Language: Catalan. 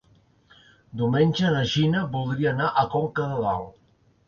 Diumenge na Gina voldria anar a Conca de Dalt.